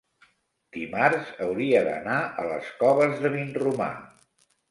Dimarts hauria d'anar a les Coves de Vinromà.